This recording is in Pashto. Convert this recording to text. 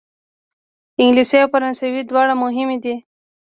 انګلیسي او فرانسوي دواړه مهمې دي.